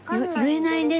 言えないね